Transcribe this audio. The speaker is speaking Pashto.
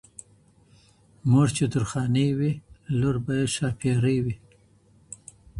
مور چي درخانۍ وي، لور به یې ښاپیرۍ وي.